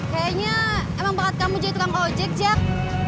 kayaknya emang bakat kamu jadi tukang ojek jack